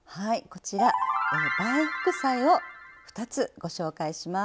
こちら「“映え”副菜」を２つご紹介します。